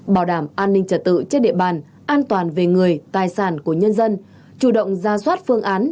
bảo đảm an ninh trật tự trên địa bàn an toàn về người tài sản của nhân dân chủ động ra soát phương án